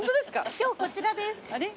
今日こちらです。